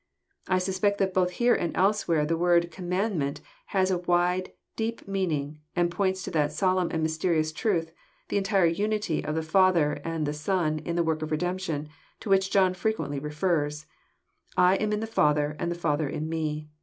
— I suspect that both here and elsewhere, the word *< commandment " has a wide, deep meaning, and points to that solemn and mysterious truth, the entire unity of the Father and the Son in the work of redemption, to which John frequently refers :I am in the Father and the Father in Me.